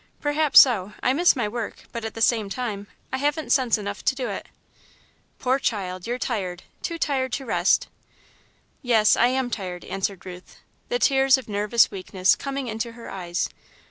"Perhaps so. I miss my work, but at the same time, I haven't sense enough to do it." "Poor child, you're tired too tired to rest." "Yes, I am tired," answered Ruth, the tears of nervous weakness coming into her eyes.